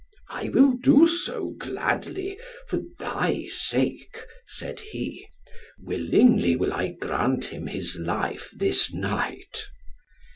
"I will do so, gladly, for thy sake," said he. "Willingly will I grant him his life this night."